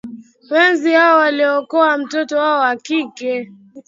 wenzi hao waliokoa mtoto wao wa kike